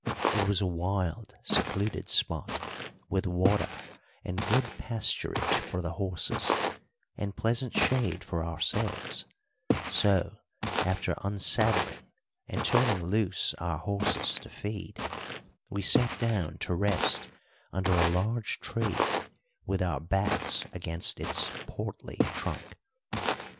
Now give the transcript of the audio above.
It was a wild, secluded spot, with water and good pasturage for the horses and pleasant shade for ourselves; so, after unsaddling and turning loose our horses to feed, we sat down to rest under a large tree with our backs against its portly trunk.